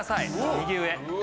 右上。